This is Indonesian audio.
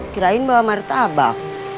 kirain bawa martabak